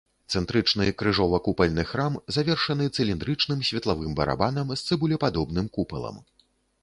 Цэнтрычны крыжова-купальны храм, завершаны цыліндрычным светлавым барабанам з цыбулепадобным купалам.